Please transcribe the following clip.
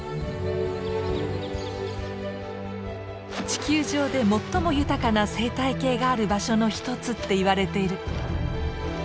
地球上で最も豊かな生態系がある場所の一つっていわれている。